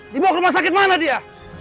dibawa ke rumah sakit mana dia